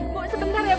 bu sebentar ya bu